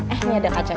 eh ini ada kacang